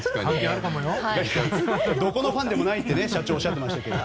どこのファンでもないと社長はおっしゃっていましたけど。